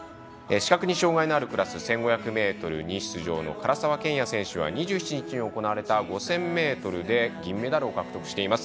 視覚に障がいのあるクラス１５００ｍに出場の唐澤剣也選手は２７日に行われた５０００ｍで銀メダルを獲得しています。